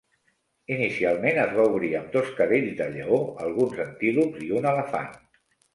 Inicialment es va obrir amb dos cadells de lleó, alguns antílops i un elefant.